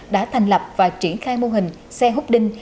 đã thành lập và triển khai mô hình xe hút đinh